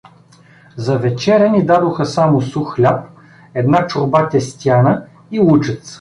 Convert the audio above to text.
За вечеря ни дадоха само сух хляб, една чорба тестяна и лучец.